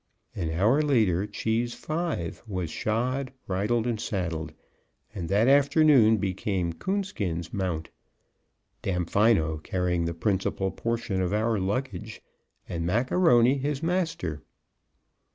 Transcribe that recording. An hour later Cheese V was shod, bridled and saddled, and that afternoon became Coonskin's mount, Damfino carrying the principal portion of our luggage, and Mac A'Rony his master.